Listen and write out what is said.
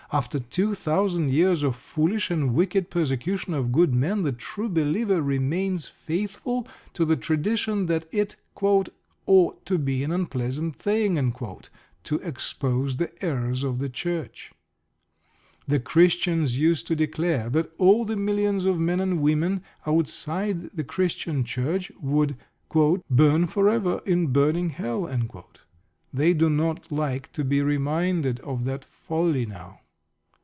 After two thousand years of foolish and wicked persecution of good men, the True Believer remains faithful to the tradition that it "ought to be an unpleasant thing" to expose the errors of the Church. The Christians used to declare that all the millions of men and women outside the Christian Church would "burn for ever in burning Hell." They do not like to be reminded of that folly now.